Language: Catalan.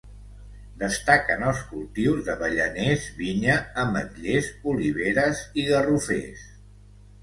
Destaquen els cultius d'avellaners, vinya, ametllers, oliveres i garrofers.